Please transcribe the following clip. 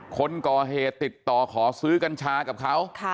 คนก่อเหตุติดต่อขอซื้อกัญชากับเขา